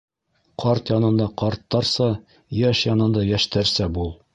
Ҡарт янында ҡарттарса, йәш янында йәштәрсә бул.